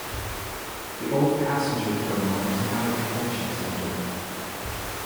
The old passenger terminal is now a convention centre.